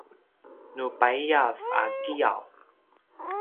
nu paiyav a kiyaw